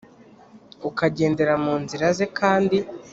ukagendera mu nzira ze kandi